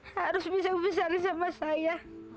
harus bisa berselisih sama saya